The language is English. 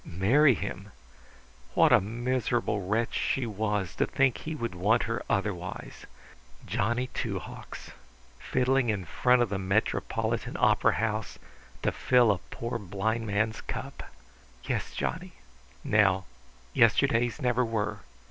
Marry him! What a miserable wretch she was to think that he would want her otherwise! Johnny Two Hawks, fiddling in front of the Metropolitan Opera House, to fill a poor blind man's cup! "Yes, Johnny. Now, yesterdays never were.